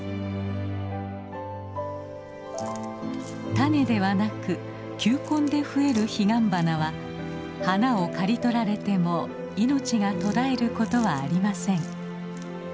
種ではなく球根で増えるヒガンバナは花を刈り取られても命が途絶えることはありません。